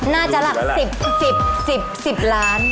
น่าจะหลัก๑๐๑๐ล้าน